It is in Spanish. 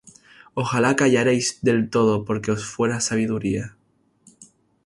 Ojalá callarais del todo, Porque os fuera sabiduría.